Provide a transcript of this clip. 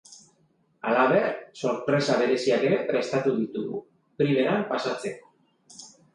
Halaber, sorpresa bereziak ere prestatu ditugu, primeran pasatzeko.